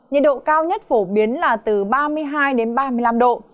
nhiệt độ cao nhất phổ biến là từ ba mươi hai đến ba mươi năm độ